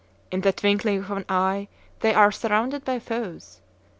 In the twinkling of an eye they are surrounded by foes.